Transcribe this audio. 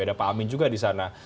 ada pak amin juga di sana